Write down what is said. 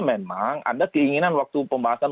memang ada keinginan waktu pembahasan